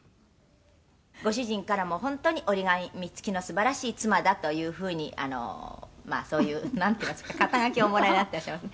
「ご主人からも本当に折り紙付きの素晴らしい妻だという風にあのまあそういうなんて言いますか肩書をおもらいになってらっしゃいます